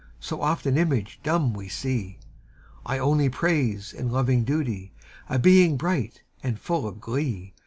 So oft an image dumb we sec : I only praise, in loving duty, A being bright and full of glee.